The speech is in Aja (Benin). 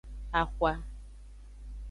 Axwa.